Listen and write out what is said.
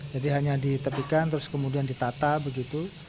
jadi hanya ditepikan terus kemudian ditata begitu